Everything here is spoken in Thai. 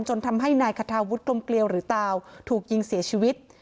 จนทำให้นายคาทาวุฒิกลมเกลียวหรือตาวถูกยิงเสียชีวิต